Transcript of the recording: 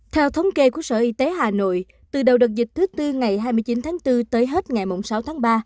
theo thống kê của sở y tế hà nội từ đầu đợt dịch thứ tư ngày hai mươi chín tháng bốn tới hết ngày sáu tháng ba